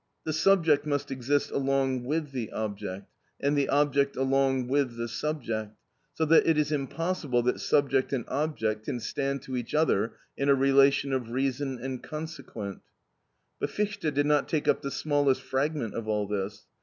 The subject must exist along with the object, and the object along with the subject, so that it is impossible that subject and object can stand to each other in a relation of reason and consequent. But Fichte did not take up the smallest fragment of all this.